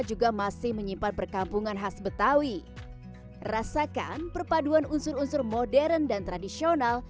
juga masih menyimpan perkampungan khas betawi rasakan perpaduan unsur unsur modern dan tradisional